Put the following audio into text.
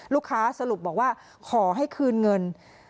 ลูกค้าสรุปบอกว่าขอให้คืนเงิน